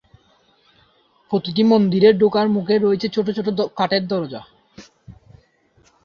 প্রতিটি মন্দিরে ঢোকার মুখে রয়েছে ছোট ছোট কাঠের দরজা।